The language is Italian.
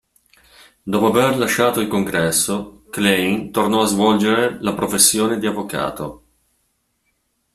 Dopo aver lasciato il Congresso, Klein tornò a svolgere la professione di avvocato.